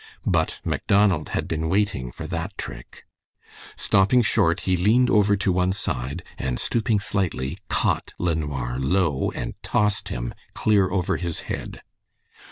But Macdonald had been waiting for that trick. Stopping short, he leaned over to one side, and stooping slightly, caught LeNoir low and tossed him clear over his head.